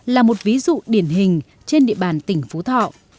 là một ví dụ điển hình trên địa bàn tỉnh phú thọ